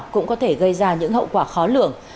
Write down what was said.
cũng có thể gây ra những hậu quả khó lường